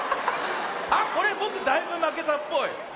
あっこれぼくだいぶまけたっぽい。